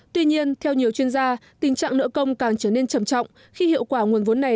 tuy nhiên theo nhiều chuyên gia tình trạng nợ công càng trở nên trầm trọng khi hiệu quả nguồn vốn này